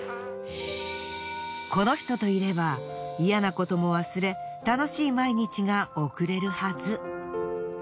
この人といれば嫌なことも忘れ楽しい毎日が送れるはず。